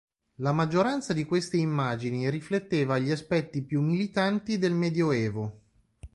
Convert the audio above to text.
La maggioranza di queste immagini rifletteva gli aspetti più militanti del Medioevo.